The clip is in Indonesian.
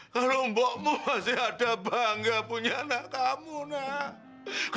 kalau mbokmu masih ada bangga punya anak kamu nak